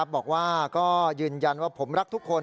บอกว่าก็ยืนยันว่าผมรักทุกคน